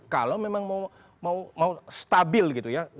kalau memang mau stabil gitu ya